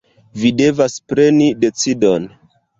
Vi devas preni decidon.